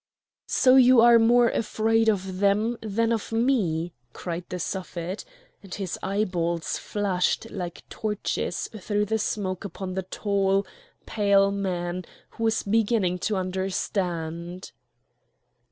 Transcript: "So you are more afraid of them then of me!" cried the Suffet; and his eyeballs flashed like torches through the smoke upon the tall, pale man who was beginning to understand.